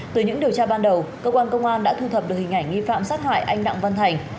từ những điều tra ban đầu cơ quan công an đã thu thập được hình ảnh nghi phạm sát hại anh đặng văn thành